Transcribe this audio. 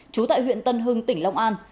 trú tại huyện tân hưng tỉnh long an